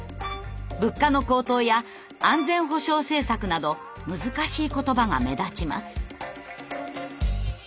「物価の高騰」や「安全保障政策」など難しい言葉が目立ちます。